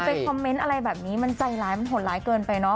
เป็นคอมเมนต์อะไรแบบนี้มันใจร้ายห่วงร้ายเกินไปน้็